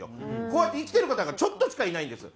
こうやって生きてる方がちょっとしかいないんです。